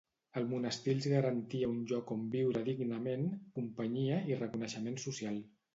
El monestir els garantia un lloc on viure dignament, companyia i reconeixement social.